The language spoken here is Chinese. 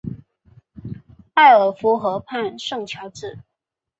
埃尔夫河畔圣乔治。